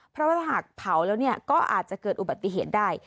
เพราะว่าถ้าหากเผาแล้วก็อาจจะเกิดอุบัติเหตุได้